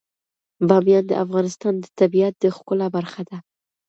بامیان د افغانستان د طبیعت د ښکلا برخه ده.